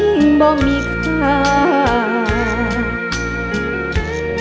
ภูมิสุภาพยาบาลภูมิสุภาพยาบาล